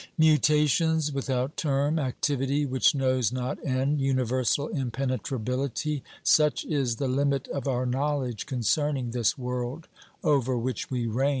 Mutations without term, activity which knows not end, universal impenetrability — such is the limit of our know ledge concerning this world over which we reign.